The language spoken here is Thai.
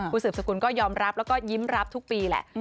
คุณสืบสกุลก็ยอมรับแล้วก็ยิ้มรับทุกปีแหละ